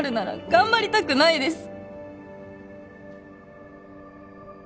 頑張りたくないです